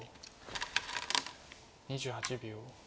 ２８秒。